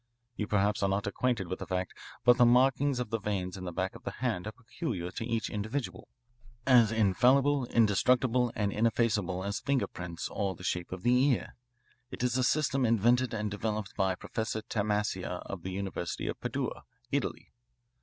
"You perhaps are not acquainted with the fact, but the markings of the veins in the back of the hand are peculiar to each individual as infallible, indestructible, and ineffaceable as finger prints or the shape of the ear. It is a system invented and developed by Professor Tamassia of the University of Padua, Italy.